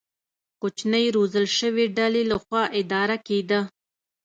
کوچنۍ روزل شوې ډلې له خوا اداره کېده.